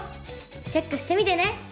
チェックしてみてね！